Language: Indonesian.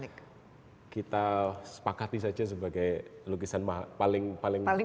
ini lukisan yang kita sepakati saja sebagai lukisan paling tinggi